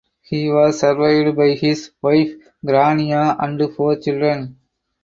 He was survived by his wife Grania and four children.